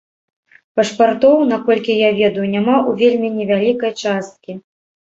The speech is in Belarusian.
Пашпартоў, наколькі я ведаю, няма ў вельмі невялікай часткі.